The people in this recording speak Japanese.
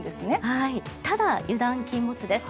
はいただ油断禁物です。